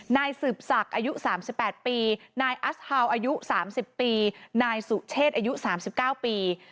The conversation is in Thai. นายสืบศักดิ์อายุ๓๘ปีนายอัสฮาวอายุ๓๐ปีนายสุเชษอายุ๓๙ปี